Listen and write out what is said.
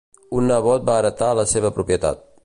Un nebot va heretar la seva propietat.